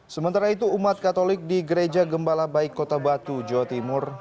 sementara itu umat katolik di gereja gembala baik kota batu jawa timur